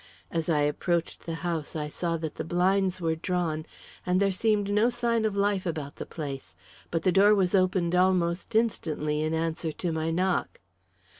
As I approached the house, I saw that the blinds were drawn, and there seemed no sign of life about the place, but the door was opened almost instantly in answer to my knock.